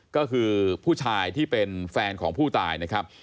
ก็คือผู้ชายที่เป็นแฟนของผู้ตายนะครับ